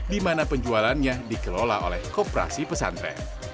di mana penjualannya dikelola oleh kooperasi pesantren